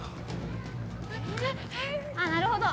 あ、なるほど。